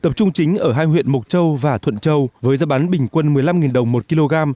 tập trung chính ở hai huyện mộc châu và thuận châu với giá bán bình quân một mươi năm đồng một kg